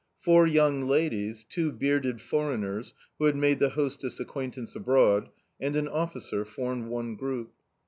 Four young ladies, two bearded foreigners, who had made the hostess' acquaintance abroad, and an officer, formed one group.